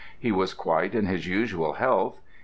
He was quite in his usual health.